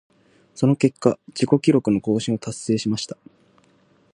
その結果、自己記録の更新を達成しました。